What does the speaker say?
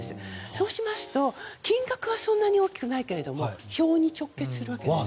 そうしますと金額はそんなに大きくないけれども票に直結するわけです。